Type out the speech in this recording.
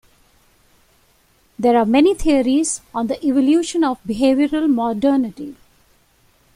There are many theories on the evolution of behavioral modernity.